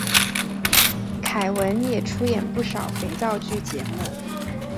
凯文也出演不少肥皂剧节目。